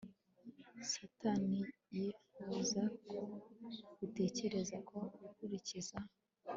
satani yifuza ko utekereza ko gukurikiza